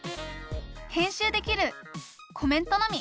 「編集できる」「コメントのみ」